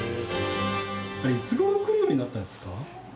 あれいつ頃来るようになったんですか？